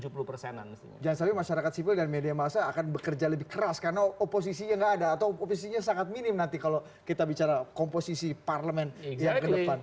jangan sampai masyarakat sipil dan media masa akan bekerja lebih keras karena oposisinya nggak ada atau oposisinya sangat minim nanti kalau kita bicara komposisi parlemen yang ke depan